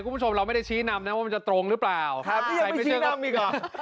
คุณผู้ชมเราไม่ได้ชี้นำนะว่ามันจะตรงหรือเปล่าครับยังไม่ชี้นำอีกอ่ะ